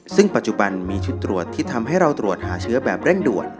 ซึ่งปัจจุบันมีชุดตรวจที่ทำให้เราตรวจหาเชื้อแบบเร่งด่วน